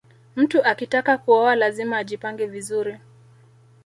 mtu akitaka kuoa lazima ajipange vizuri